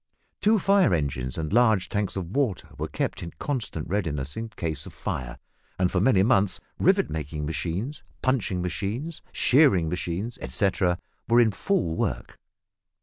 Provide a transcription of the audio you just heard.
Two fire engines and large tanks of water were kept in constant readiness in case of fire, and for many months rivet making machines, punching machines, shearing machines, etcetera, were in full work.